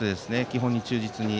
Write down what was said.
基本に忠実に。